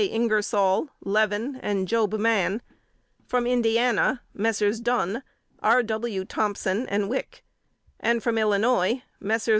Ingersol, Levin and Job Mann; from Indiana, Messrs. Dunn, R. W. Thompson and Wick; and from Illinois, Messrs.